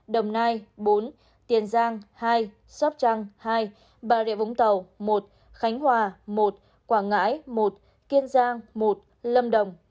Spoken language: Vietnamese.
đồng nai bốn tiền giang hai sóc trăng hai bà rịa vũng tàu một khánh hòa một quảng ngãi một kiên giang một lâm đồng